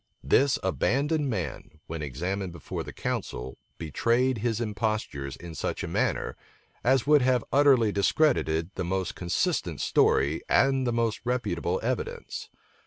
This abandoned man, when examined before the council, betrayed his impostures in such a manner, as would have utterly discredited the most consistent story, and the most reputable evidence.